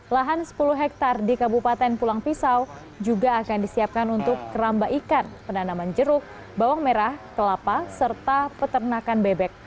lahan sepuluh hektare di kabupaten pulang pisau juga akan disiapkan untuk keramba ikan penanaman jeruk bawang merah kelapa serta peternakan bebek